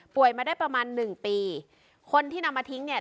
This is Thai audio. มาได้ประมาณหนึ่งปีคนที่นำมาทิ้งเนี่ย